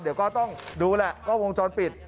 เดี๋ยวก็ต้องดูแหละกล้องวงจรปิด